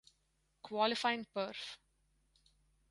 Qualifying perf.